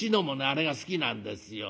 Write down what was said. あれが好きなんですよ。